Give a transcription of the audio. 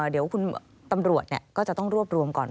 เดี๋ยวคุณตำรวจก็จะต้องรวบรวมก่อน